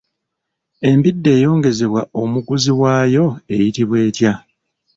Embidde eyongezebwa omuguzi waayo eyitibwa etya?